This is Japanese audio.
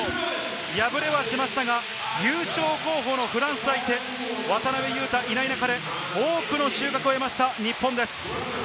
敗れはしましたが、優勝候補のフランス相手、渡邊雄太がいない中で多くの収穫を得ました日本です。